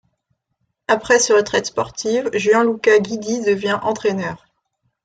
Après se retraite sportive, Gianluca Guidi devient entraîneur.